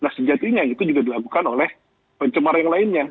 nah sejatinya itu juga dilakukan oleh pencemar yang lainnya